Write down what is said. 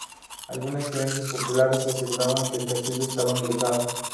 Algunas creencias populares aseguraban que el castillo estaba embrujado.